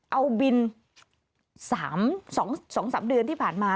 เอาบิน๒๓เดือนที่ผ่านมา